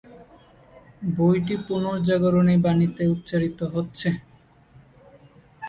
বইটিতে পুনর্জাগরণের বাণী উচ্চারিত হয়েছে।